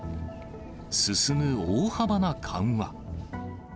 進む大幅な緩和。